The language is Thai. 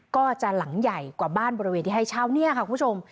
ก็จะหลังใหญ่กว่าบ้านบริเวณที่ให้เช่าเนี่ยค่ะคุณผู้ชม